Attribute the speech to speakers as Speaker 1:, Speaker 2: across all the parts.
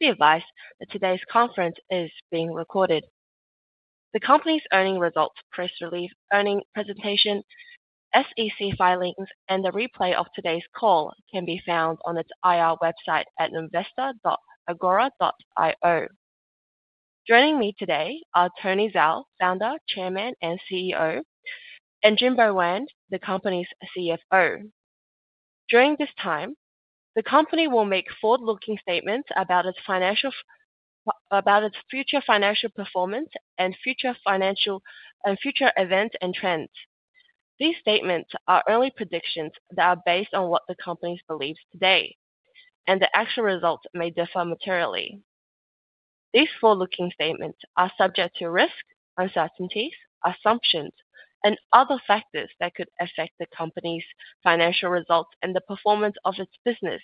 Speaker 1: Please be advised that today's conference is being recorded. The company's earning results press release, earning presentation, SEC filings, and the replay of today's call can be found on its IR website at investor.agora.io. Joining me today are Tony Zhao, Founder, Chairman, and CEO, and Jingbo Wang, the company's CFO. During this time, the company will make forward-looking statements about its future financial performance and future events and trends. These statements are only predictions that are based on what the company believes today, and the actual results may differ materially. These forward-looking statements are subject to risk, uncertainties, assumptions, and other factors that could affect the company's financial results and the performance of its business,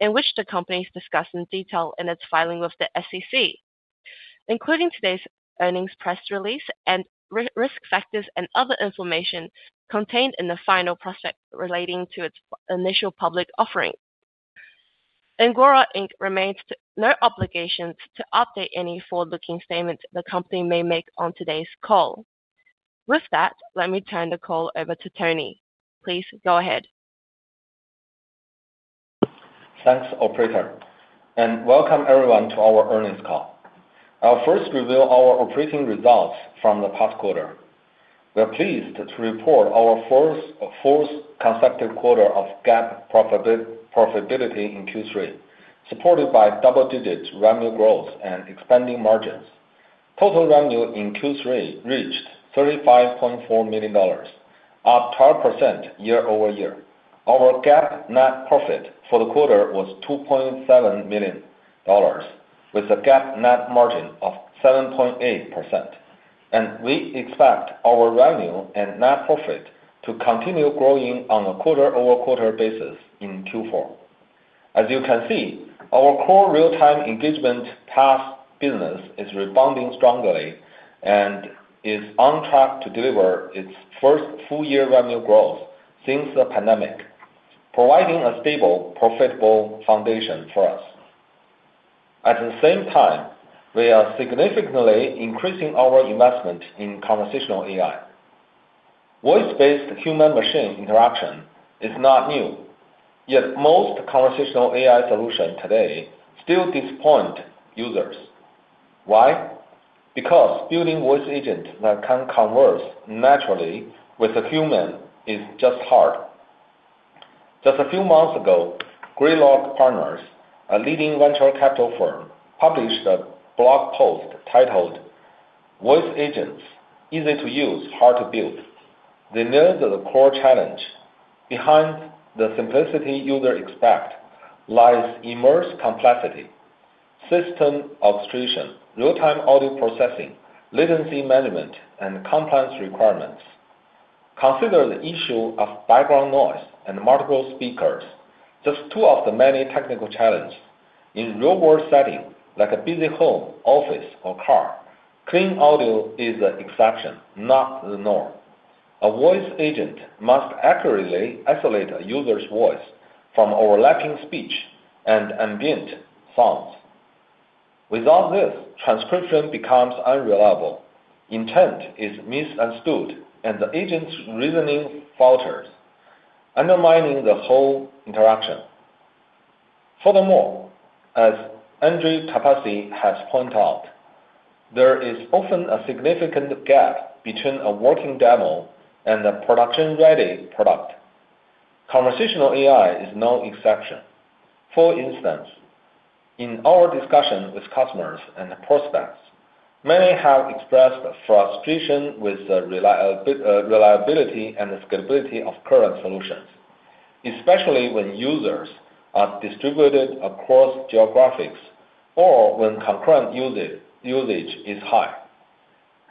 Speaker 1: which the company discusses in detail in its filing with the SEC, including today's earnings press release and risk factors and other information contained in the final prospect relating to its initial public offering. Agora remains no obligation to update any forward-looking statements the company may make on today's call. With that, let me turn the call over to Tony. Please go ahead.
Speaker 2: Thanks, Operator. Welcome everyone to our earnings call. I'll first reveal our operating results from the past quarter. We're pleased to report our fourth consecutive quarter of GAAP profitability in Q3, supported by double-digit revenue growth and expanding margins. Total revenue in Q3 reached $35.4 million, up 12% year-over-year. Our GAAP net profit for the quarter was $2.7 million, with a GAAP net margin of 7.8%. We expect our revenue and net profit to continue growing on a quarter-over-quarter basis in Q4. As you can see, our core real-time engagement path business is rebounding strongly and is on track to deliver its first full-year revenue growth since the pandemic, providing a stable, profitable foundation for us. At the same time, we are significantly increasing our investment in conversational AI. Voice-based human-machine interaction is not new, yet most conversational AI solutions today still disappoint users. Why? Because building voice agents that can converse naturally with a human is just hard. Just a few months ago, Greylock Partners, a leading venture capital firm, published a blog post titled, "Voice Agents: Easy to Use, Hard to Build." They nailed the core challenge. Behind the simplicity users expect lies immense complexity: system obstruction, real-time audio processing, latency management, and compliance requirements. Consider the issue of background noise and multiple speakers. Just two of the many technical challenges. In a real-world setting, like a busy home, office, or car, clean audio is the exception, not the norm. A voice agent must accurately isolate a user's voice from overlapping speech and ambient sounds. Without this, transcription becomes unreliable. Intent is misunderstood, and the agent's reasoning falters, undermining the whole interaction. Furthermore, as Andrew Tapassi has pointed out, there is often a significant gap between a working demo and a production-ready product. Conversational AI is no exception. For instance, in our discussion with customers and prospects, many have expressed frustration with the reliability and scalability of current solutions, especially when users are distributed across geographies or when concurrent usage is high.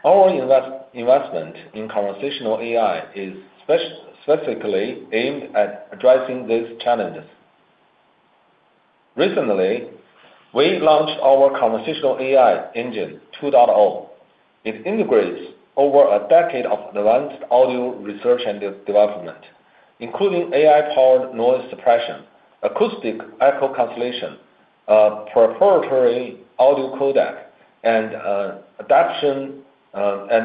Speaker 2: Our investment in conversational AI is specifically aimed at addressing these challenges. Recently, we launched our conversational AI Engine 2.0. It integrates over a decade of advanced audio research and development, including AI-powered noise suppression, acoustic echo cancellation, a proprietary audio codec, and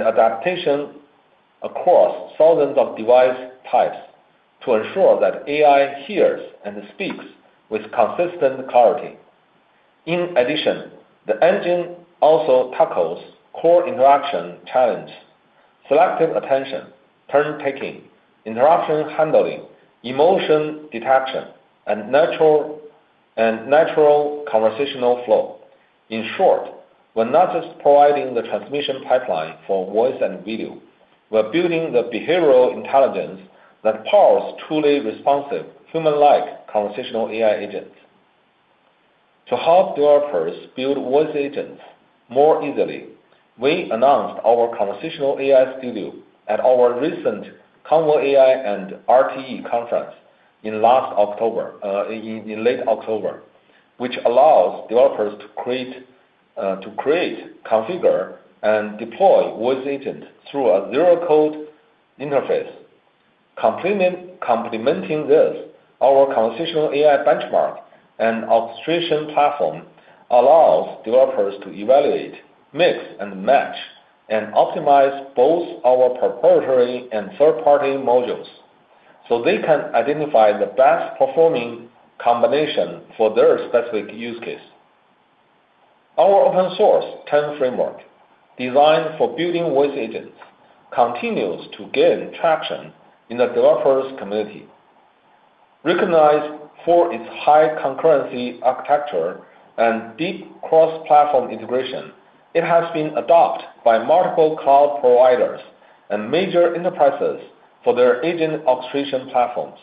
Speaker 2: adaptation across thousands of device types to ensure that AI hears and speaks with consistent clarity. In addition, the engine also tackles core interaction challenges: selective attention, turn-taking, interruption handling, emotion detection, and natural conversational flow. In short, we're not just providing the transmission pipeline for voice and video. We're building the behavioral intelligence that powers truly responsive, human-like conversational AI agents. To help developers build voice agents more easily, we announced our conversational AI Studio at our recent Convo AI and RTE Conference in late October, which allows developers to create, configure, and deploy voice agents through a zero-code interface. Complementing this, our conversational AI Benchmark and Orchestration Platform allows developers to evaluate, mix and match, and optimize both our proprietary and third-party modules so they can identify the best-performing combination for their specific use case. Our Open-Source TEN Framework designed for building voice agents continues to gain traction in the developers' community. Recognized for its high concurrency architecture and deep cross-platform integration, it has been adopted by multiple cloud providers and major enterprises for their agent orchestration platforms.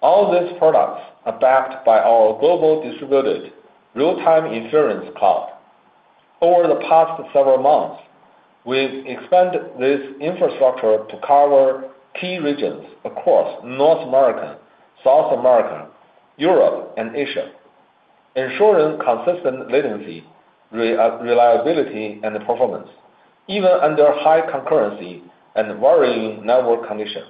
Speaker 2: All these products are backed by our global distributed real-time inference cloud. Over the past several months, we've expanded this infrastructure to cover key regions across North America, South America, Europe, and Asia, ensuring consistent latency, reliability, and performance even under high concurrency and varying network conditions.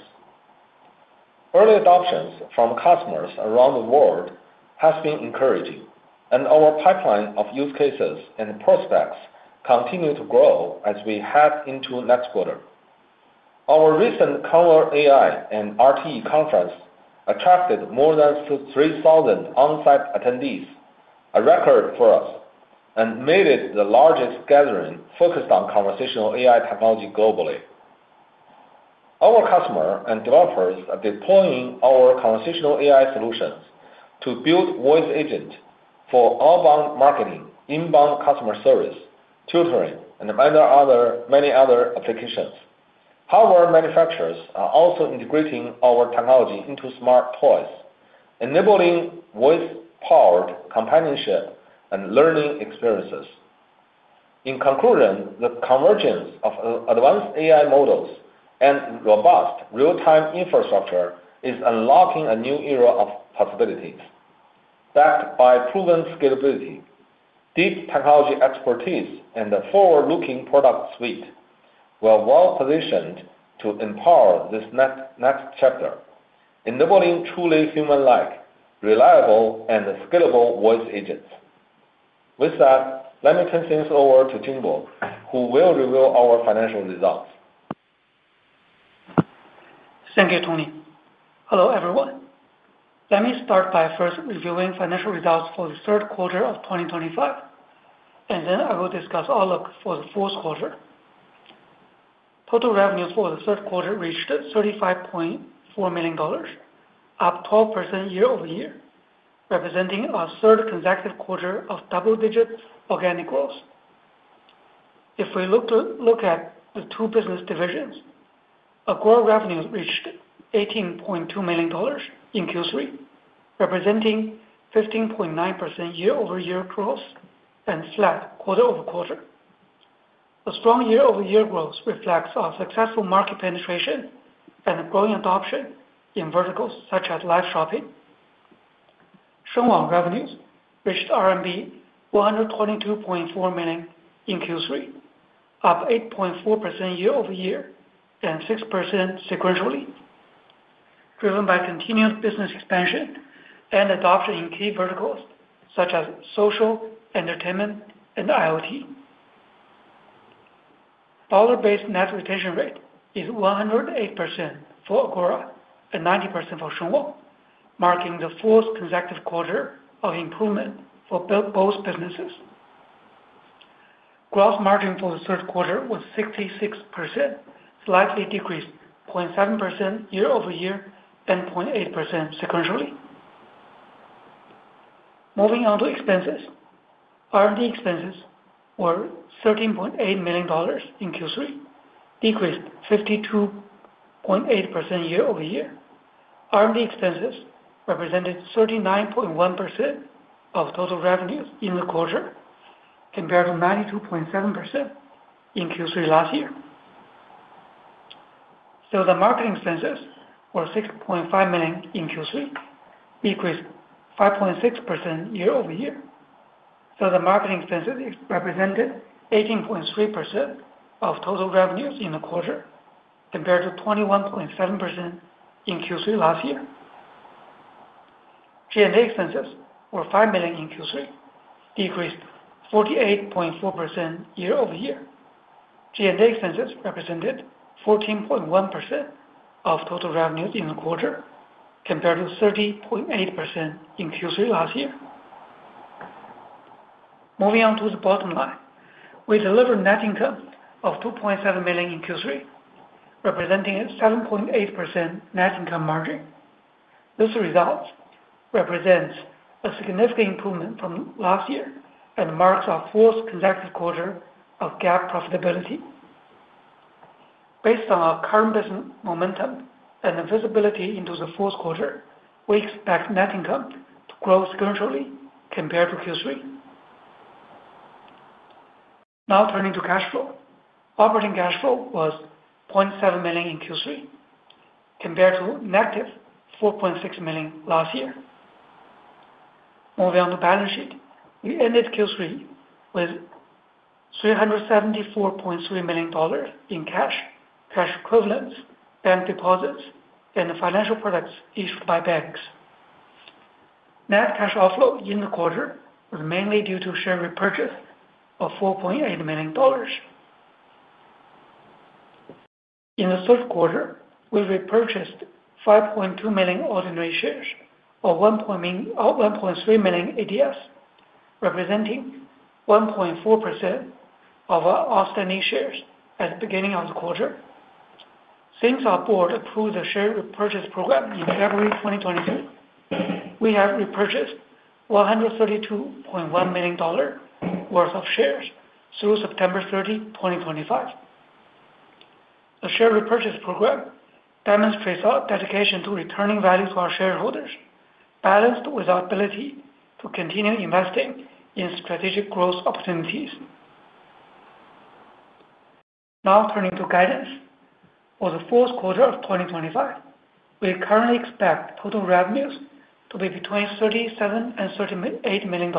Speaker 2: Early adoptions from customers around the world have been encouraging, and our pipeline of use cases and prospects continues to grow as we head into next quarter. Our recent Convo AI and RTE Conference attracted more than 3,000 on-site attendees, a record for us, and made it the largest gathering focused on conversational AI technology globally. Our customers and developers are deploying our conversational AI solutions to build voice agents for outbound marketing, inbound customer service, tutoring, and many other applications. Power manufacturers are also integrating our technology into smart toys, enabling voice-powered companionship and learning experiences. In conclusion, the convergence of advanced AI models and robust real-time infrastructure is unlocking a new era of possibilities. Backed by proven scalability, deep technology expertise, and a forward-looking product suite, we're well-positioned to empower this next chapter, enabling truly human-like, reliable, and scalable voice agents. With that, let me turn things over to Jingbo, who will reveal our financial results.
Speaker 3: Thank you, Tony. Hello, everyone. Let me start by first reviewing financial results for the third quarter of 2025, and then I will discuss outlook for the fourth quarter. Total revenues for the third quarter reached $35.4 million, up 12% year-over-year, representing a third consecutive quarter of double-digit organic growth. If we look at the two business divisions, Agora revenues reached $18.2 million in Q3, representing 15.9% year-over-year growth and flat quarter-over-quarter. The strong year-over-year growth reflects our successful market penetration and growing adoption in verticals such as live shopping. Shenghua revenues reached RMB 122.4 million in Q3, up 8.4% year-over-year and 6% sequentially, driven by continued business expansion and adoption in key verticals such as social, entertainment, and IoT. Dollar-based net retention rate is 108% for Agora and 90% for Shenghua, marking the fourth consecutive quarter of improvement for both businesses. Gross margin for the third quarter was 66%, slightly decreased 0.7% year-over-year and 0.8% sequentially. Moving on to expenses, R&D expenses were $13.8 million in Q3, decreased 52.8% year-over-year. R&D expenses represented 39.1% of total revenues in the quarter, compared to 92.7% in Q3 last year. Sales and marketing expenses were $6.5 million in Q3, decreased 5.6% year-over-year. Sales and marketing expenses represented 18.3% of total revenues in the quarter, compared to 21.7% in Q3 last year. G&A expenses were $5 million in Q3, decreased 48.4% year-over-year. G&A expenses represented 14.1% of total revenues in the quarter, compared to 30.8% in Q3 last year. Moving on to the bottom line, we delivered net income of $2.7 million in Q3, representing a 7.8% net income margin. This result represents a significant improvement from last year and marks our fourth consecutive quarter of GAAP profitability. Based on our current business momentum and visibility into the fourth quarter, we expect net income to grow sequentially compared to Q3. Now turning to cash flow, operating cash flow was $0.7 million in Q3, compared to negative $4.6 million last year. Moving on to balance sheet, we ended Q3 with $374.3 million in cash, cash equivalents, bank deposits, and financial products issued by banks. Net cash outflow in the quarter was mainly due to share repurchase of $4.8 million. In the third quarter, we repurchased 5.2 million ordinary shares or 1.3 million ADS, representing 1.4% of our outstanding shares at the beginning of the quarter. Since our board approved the share repurchase program in February 2022, we have repurchased $132.1 million worth of shares through September 30, 2025. The share repurchase program demonstrates our dedication to returning value to our shareholders, balanced with our ability to continue investing in strategic growth opportunities. Now turning to guidance for the fourth quarter of 2025, we currently expect total revenues to be between $37 million and $38 million,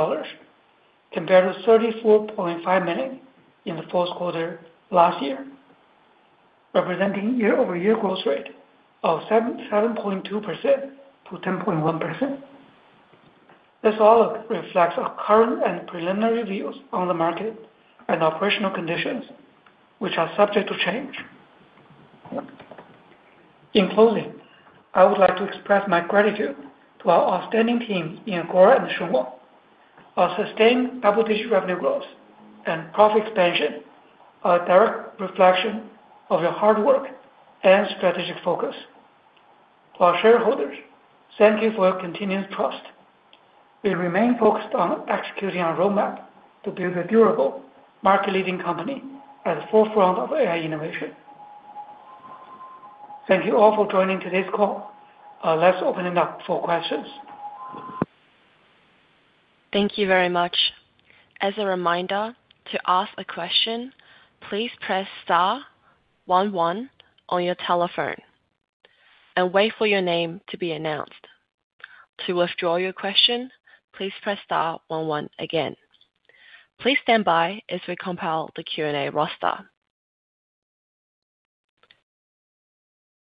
Speaker 3: compared to $34.5 million in the fourth quarter last year, representing year-over-year growth rate of 7.2% -10.1%. This outlook reflects our current and preliminary views on the market and operational conditions, which are subject to change. In closing, I would like to express my gratitude to our outstanding teams in Agora and Shenghua. Our sustained double-digit revenue growth and profit expansion are a direct reflection of your hard work and strategic focus. To our shareholders, thank you for your continued trust. We remain focused on executing our roadmap to build a durable, market-leading company at the forefront of AI innovation. Thank you all for joining today's call. Let's open it up for questions.
Speaker 1: Thank you very much. As a reminder, to ask a question, please press star one one on your telephone and wait for your name to be announced. To withdraw your question, please press star one one again. Please stand by as we compile the Q&A roster.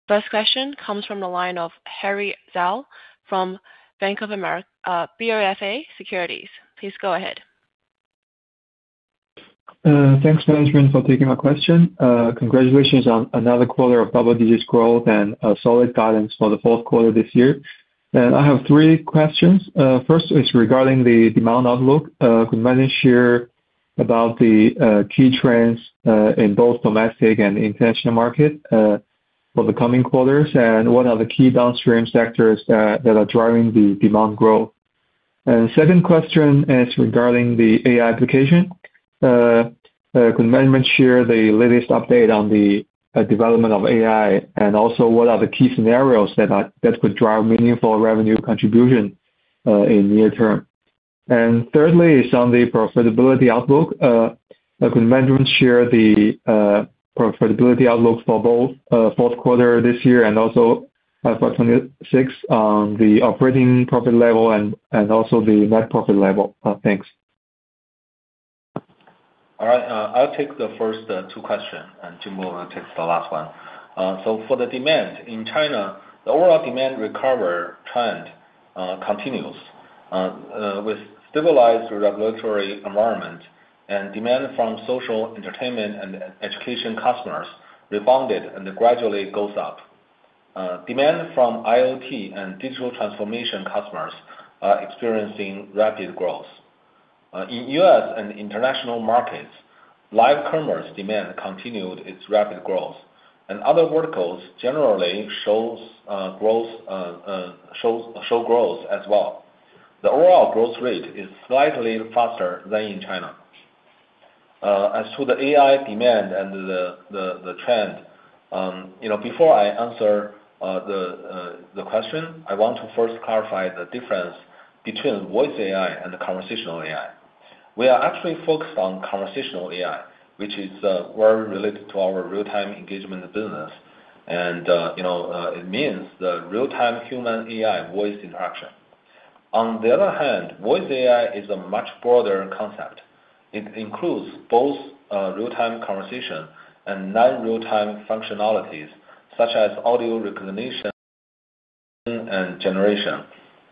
Speaker 1: First question comes from the line of Harry Zhao from Bank of America Securities. Please go ahead.
Speaker 4: Thanks, Management, for taking my question. Congratulations on another quarter of double-digit growth and solid guidance for the fourth quarter this year. I have three questions. First is regarding the demand outlook. Could Management share about the key trends in both domestic and international markets for the coming quarters and what are the key downstream sectors that are driving the demand growth? The second question is regarding the AI application. Could Management share the latest update on the development of AI and also what are the key scenarios that could drive meaningful revenue contribution in the near term? Thirdly is on the profitability outlook. Could Management share the profitability outlook for both fourth quarter this year and also for 2026 on the operating profit level and also the net profit level? Thanks.
Speaker 2: All right. I'll take the first two questions, and Jingbo will take the last one. For the demand in China, the overall demand recovery trend continues. With stabilized regulatory environment and demand from social entertainment and education customers refunded and gradually goes up, demand from IoT and digital transformation customers are experiencing rapid growth. In US and international markets, live commerce demand continued its rapid growth, and other verticals generally show growth as well. The overall growth rate is slightly faster than in China. As to the AI demand and the trend, before I answer the question, I want to first clarify the difference between voice AI and conversational AI. We are actually focused on conversational AI, which is very related to our real-time engagement business, and it means the real-time human-AI voice interaction. On the other hand, voice AI is a much broader concept. It includes both real-time conversation and non-real-time functionalities such as audio recognition and generation.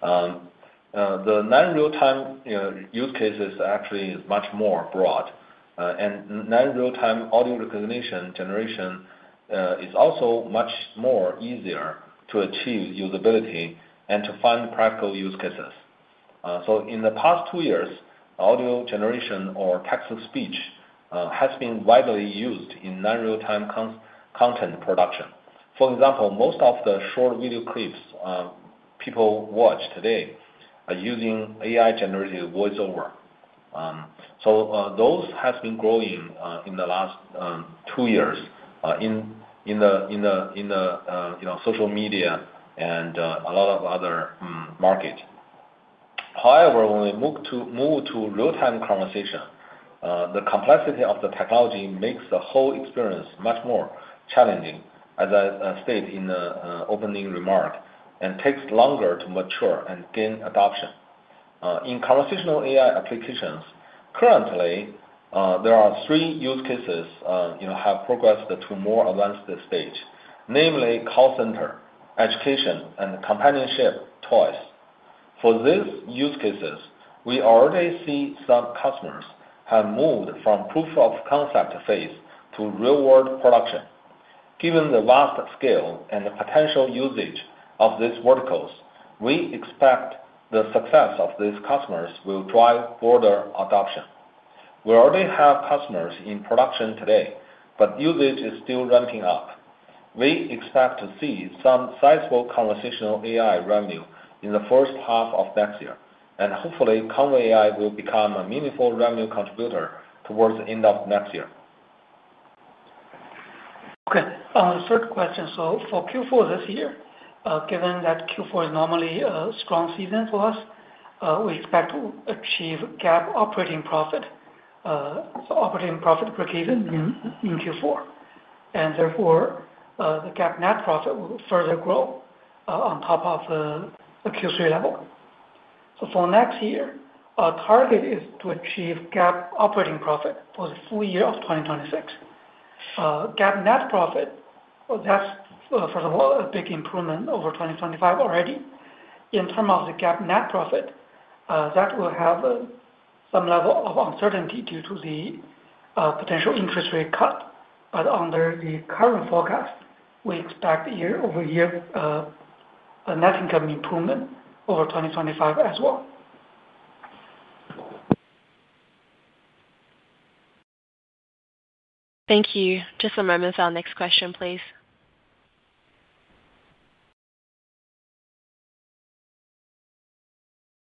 Speaker 2: The non-real-time use case is actually much more broad, and non-real-time audio recognition generation is also much easier to achieve usability and to find practical use cases. In the past two years, audio generation or text-to-speech has been widely used in non-real-time content production. For example, most of the short video clips people watch today are using AI-generated voiceover. Those have been growing in the last two years in the social media and a lot of other markets. However, when we move to real-time conversation, the complexity of the technology makes the whole experience much more challenging, as I stated in the opening remark, and takes longer to mature and gain adoption. In conversational AI applications, currently, there are three use cases that have progressed to a more advanced stage, namely call center, education, and companionship toys. For these use cases, we already see some customers have moved from proof-of-concept phase to real-world production. Given the vast scale and the potential usage of these verticals, we expect the success of these customers will drive broader adoption. We already have customers in production today, but usage is still ramping up. We expect to see some sizable conversational AI revenue in the first half of next year, and hopefully, conversational AI will become a meaningful revenue contributor towards the end of next year.
Speaker 3: Okay. Third question. For Q4 this year, given that Q4 is normally a strong season for us, we expect to achieve GAAP operating profit per case in Q4, and therefore, the GAAP net profit will further grow on top of the Q3 level. For next year, our target is to achieve GAAP operating profit for the full year of 2026. GAAP net profit, that's, first of all, a big improvement over 2025 already. In terms of the GAAP net profit, that will have some level of uncertainty due to the potential interest rate cut. Under the current forecast, we expect year-over-year net income improvement over 2025 as well.
Speaker 1: Thank you. Just a moment for our next question, please.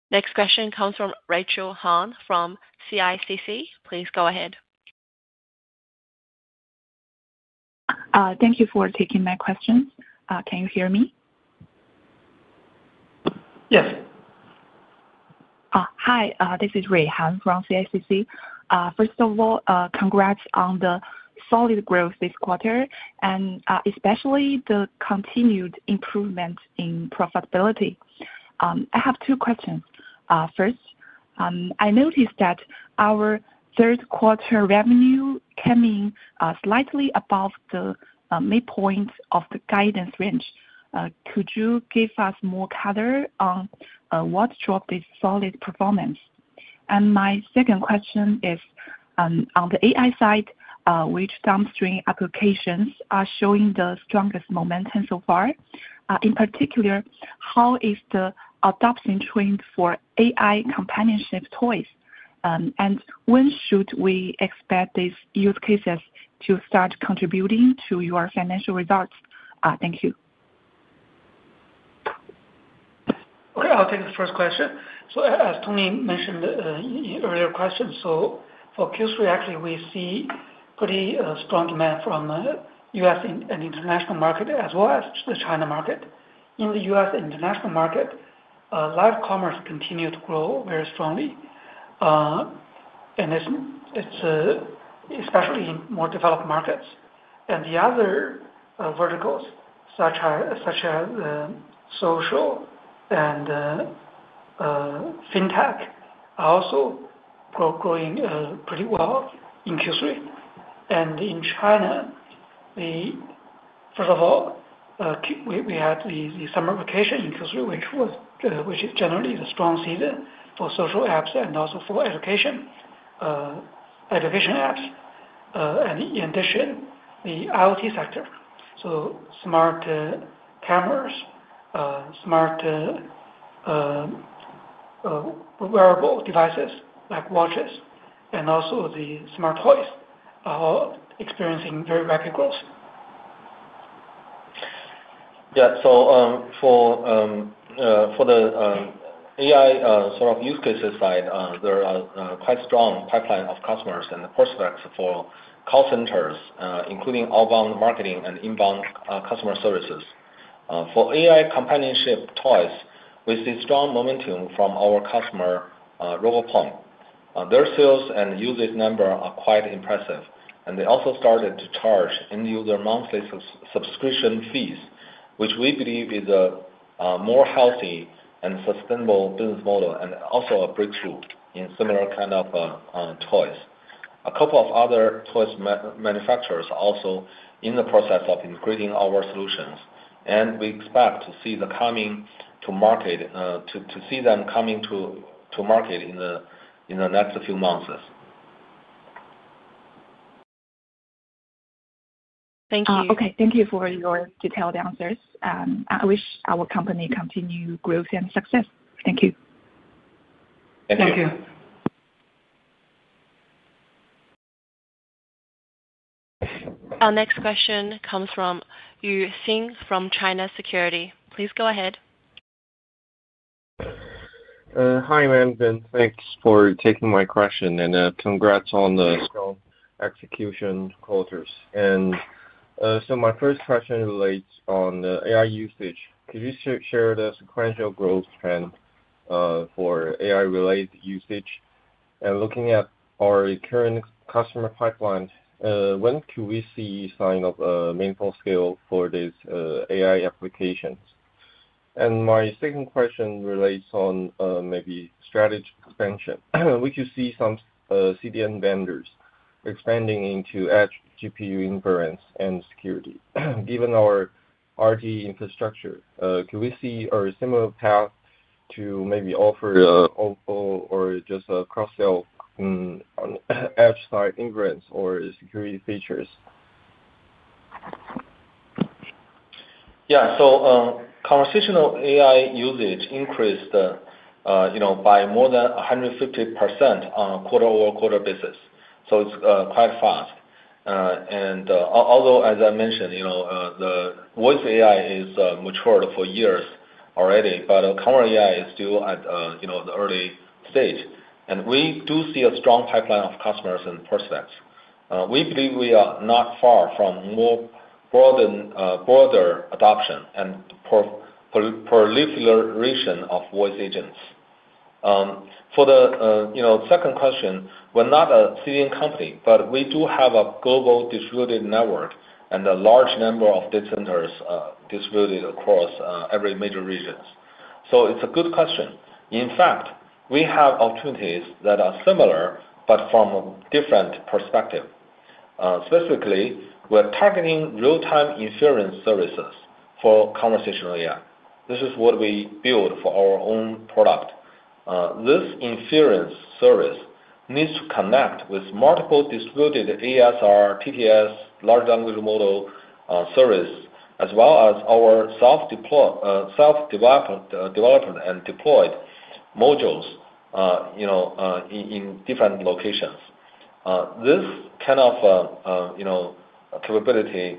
Speaker 1: Next question comes from Rachel Wang from CICC. Please go ahead.
Speaker 5: Thank you for taking my questions. Can you hear me?
Speaker 3: Yes.
Speaker 5: Hi, this is Rayhan from CICC. First of all, congrats on the solid growth this quarter, and especially the continued improvement in profitability. I have two questions. First, I noticed that our third quarter revenue came in slightly above the midpoint of the guidance range. Could you give us more color on what drove this solid performance? My second question is, on the AI side, which downstream applications are showing the strongest momentum so far? In particular, how is the adoption trend for AI companionship toys, and when should we expect these use cases to start contributing to your financial results? Thank you.
Speaker 3: Okay. I'll take the first question. As Tony mentioned in the earlier question, for Q3, actually, we see pretty strong demand from the U.S. and international market as well as the China market. In the U.S and international market, live commerce continued to grow very strongly, especially in more developed markets. The other verticals, such as social and fintech, are also growing pretty well in Q3. In China, first of all, we had the summer vacation in Q3, which is generally the strong season for social apps and also for education apps. In addition, the IoT sector, so smart cameras, smart wearable devices like watches, and also the smart toys, are all experiencing very rapid growth.
Speaker 2: Yeah. For the AI sort of use cases side, there are quite strong pipelines of customers and prospects for call centers, including outbound marketing and inbound customer services. For AI companionship toys, we see strong momentum from our customer, RoboPong. Their sales and usage numbers are quite impressive, and they also started to charge end-user monthly subscription fees, which we believe is a more healthy and sustainable business model and also a breakthrough in similar kind of toys. A couple of other toys manufacturers are also in the process of integrating our solutions, and we expect to see them coming to market in the next few months.
Speaker 1: Thank you.
Speaker 5: Okay. Thank you for your detailed answers. I wish our company continued growth and success. Thank you.
Speaker 2: Thank you.
Speaker 3: Thank you.
Speaker 1: Our next question comes from Yuxing from China Securities. Please go ahead. Hi, Management. Thanks for taking my question, and congrats on the strong execution quarters. My first question relates on AI usage. Could you share the sequential growth trend for AI-related usage? Looking at our current customer pipeline, when can we see signs of meaningful scale for these AI applications? My second question relates on maybe strategy expansion. We could see some CDN vendors expanding into edge GPU inference and security. Given our R&D infrastructure, could we see a similar path to maybe offer Oracle or just a cross-sell edge-side inference or security features?
Speaker 2: Yeah. Conversational AI usage increased by more than 150% on a quarter-over-quarter basis. It is quite fast. Although, as I mentioned, the voice AI has matured for years already, conversational AI is still at the early stage. We do see a strong pipeline of customers and prospects. We believe we are not far from more broader adoption and proliferation of voice agents. For the second question, we are not a CDN company, but we do have a global distributed network and a large number of data centers distributed across every major region. It is a good question. In fact, we have opportunities that are similar but from a different perspective. Specifically, we are targeting real-time inference services for conversational AI. This is what we build for our own product. This inference service needs to connect with multiple distributed ASR, TTS, large language model service, as well as our self-developed and deployed modules in different locations. This kind of capability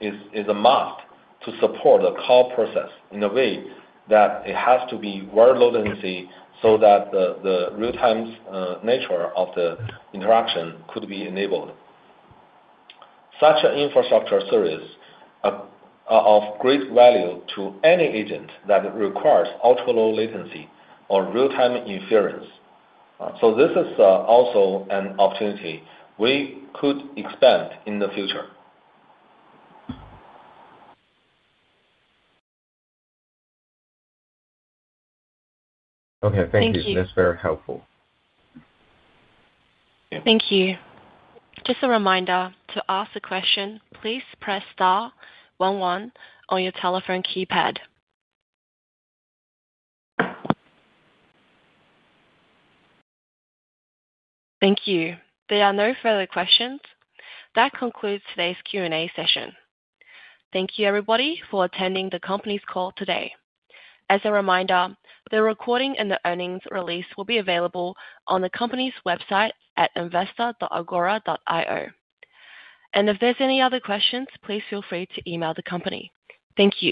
Speaker 2: is a must to support the call process in a way that it has to be very low latency so that the real-time nature of the interaction could be enabled. Such an infrastructure service is of great value to any agent that requires ultra-low latency or real-time inference. This is also an opportunity we could expand in the future. Okay. Thank you. That's very helpful.
Speaker 1: Thank you. Just a reminder to ask the question, please press star one one on your telephone keypad. Thank you. There are no further questions. That concludes today's Q&A session. Thank you, everybody, for attending the company's call today. As a reminder, the recording and the earnings release will be available on the company's website at investor.agora.io. If there are any other questions, please feel free to email the company. Thank you.